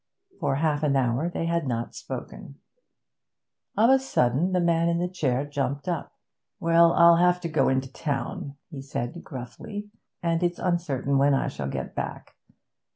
For half an hour they had not spoken. Of a sudden the man in the chair jumped up. 'Well, I have to go into town,' he said gruffly, 'and it's uncertain when I shall be back.